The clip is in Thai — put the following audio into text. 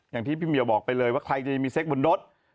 อย่างที่พี่เหมียวบอกไปเลยว่าใครจะมีเซ็กบนรถ